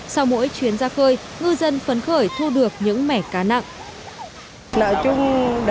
sau mỗi chuyến ra khơi ngư dân phấn khởi thu được những mẻ cá nặng